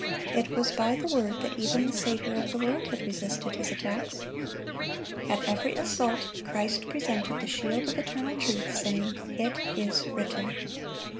It was by the Word that even the Saviour of the world had resisted his attacks. At every assault, Christ presented the shield of eternal truth, saying, "It is written."